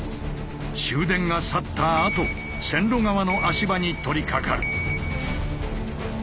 終電が去ったあと線路側の足場に取りかかる。